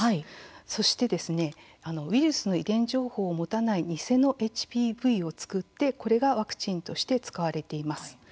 そして、ウイルスの遺伝情報を持たない偽のＨＰＶを作ってこれがワクチンとして使われています。